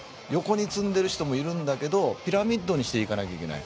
横に積んでる人もいるんだけどピラミッドにしていかなきゃいけない。